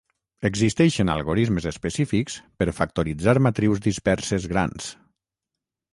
Existeixen algorismes específics per factoritzar matrius disperses grans.